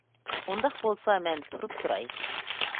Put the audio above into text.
ئۇنداق بولسا مەن تۇرۇپ تۇراي.